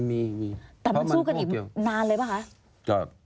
มีมีแต่มันสู้กันอีกนานเลยป่ะคะ